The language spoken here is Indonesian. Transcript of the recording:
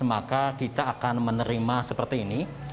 maka kita akan menerima seperti ini